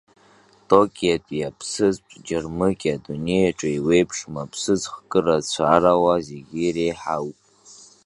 Токиатәи аԥсыӡтә џьармыкьа , адунеиаҿ еиуеиԥшым аԥсыӡ хкырацәарала зегьы иреиҳауп.